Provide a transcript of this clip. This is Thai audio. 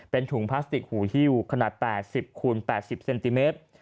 เป็นถุงพลาสติกหูฮิ้วขนาด๘๐คูณ๘๐เซนติเมตร